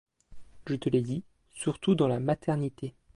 Je te l'ai dit, surtout dans la maternité.